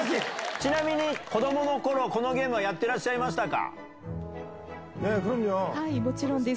ちなみに子どものころ、このゲームはやってらっしゃいまもちろんです。